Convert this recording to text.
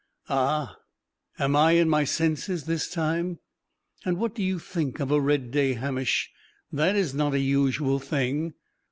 "Ah! Am I in my senses this time? And what do you think of a red day, Hamish? That is not a usual thing."